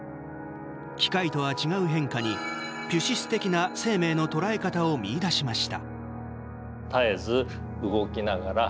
機械とは違う変化にピュシス的な生命のとらえ方を見いだしました。